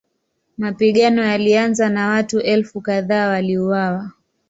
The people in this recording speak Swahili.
Mapigano yalianza na watu elfu kadhaa waliuawa.